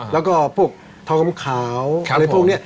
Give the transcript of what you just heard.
และก็พวกทองขัมเคราอะไรพวกเนี่ย